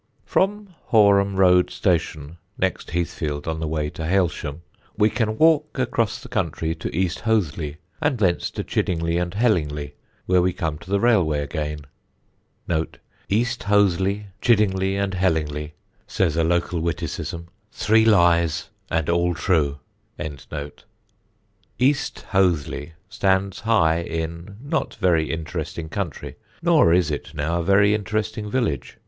From Horeham Road station, next Heathfield on the way to Hailsham, we can walk across the country to East Hoathly, and thence to Chiddingly and Hellingly, where we come to the railway again. ("East Hoathly, Chiddingly and Hellingly," says a local witticism: "three lies and all true.") East Hoathly stands high in not very interesting country, nor is it now a very interesting village.